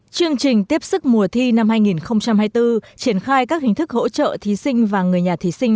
chương trình tiếp sức mùa thi năm hai nghìn hai mươi bốn triển khai các hình thức hỗ trợ thí sinh và người nhà thí sinh